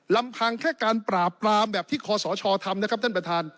ลำพังแค่การปราบปรามแบบที่คอสชทำนะครับท่านประธาน